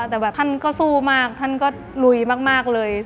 แต่แบบท่านก็สู้มากท่านก็ลุยมากเลย